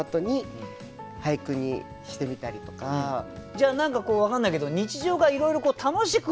じゃあ何か分かんないけど日常がいろいろ楽しく。